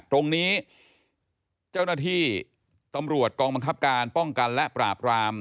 ตรงนี้เจ้าหน้าที่ตำรวจกองบังคับการป้องกันและปราบราม